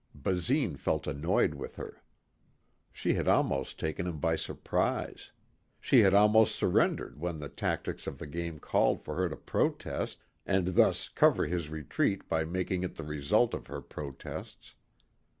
Basine felt annoyed with her. She had almost taken him by surprise. She had almost surrendered when the tactics of the game called for her to protest and thus cover his retreat by making it the result of her protests.